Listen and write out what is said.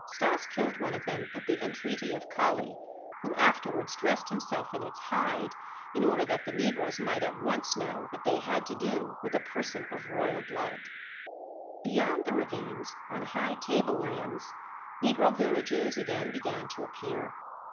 Stas killed one of them at the entreaty of Kali, who afterwards dressed himself in its hide in order that the negroes might at once know that they had to do with a person of royal blood. Beyond the ravines, on high table lands, negro villages again began to appear.